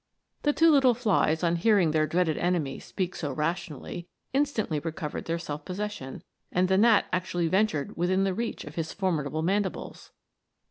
The two little flies on hearing their dreaded enemy speak so rationally, instantly recovered their self possession, and the gnat actually ventured within the reach of his formidable man dibles.